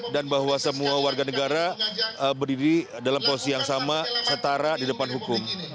dan bahwa semua warga negara berdiri dalam posisi yang sama setara di depan hukum